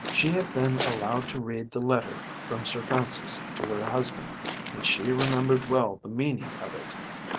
She had been allowed to read the letter from Sir Francis to her husband, and she remembered well the meaning of it.